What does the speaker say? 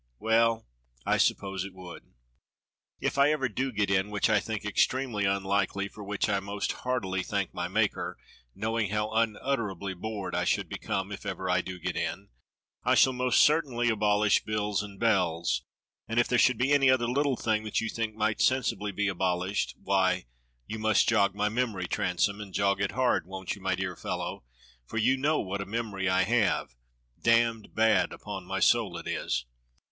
^" "Well, I suppose it would. If I ever do get in, which I think extremely unlikely, for which I most heartily thank my Maker, knowing how unutterably bored I should become, but if ever I do get in, I will most cer tainly abolish bills and bells, and if there should be any other little thing that you think might sensibly be abolished, why, you must jog my memory, Transome, and jog it hard, won't you, my dear fellow, for you know what a memory I have? Damned bad, upon my soul it is!